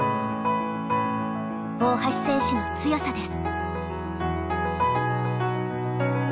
大橋選手の強さです。